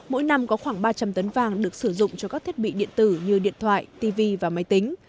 mỗi năm có khoảng ba trăm linh tấn vàng được sử dụng cho các thiết bị điện tử như điện thoại tv và máy tính